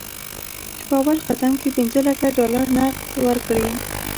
چې په اول قدم کې پنځه لکه ډالر نغد ورکړي.